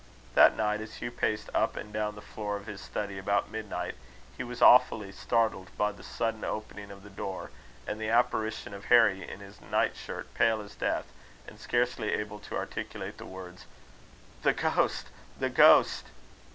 That night, as Hugh paced up and down the floor of his study about midnight, he was awfully startled by the sudden opening of the door and the apparition of Harry in his nightshirt, pale as death, and scarcely able to articulate the words: "The ghost! the ghost!"